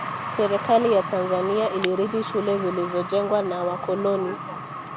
Serikali ya Tanzania ilirithi shule zilizojengwa na wakoloni